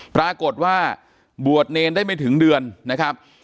ปรากฏว่าบวชเนรได้ไม่ถึงเดือนนะครับ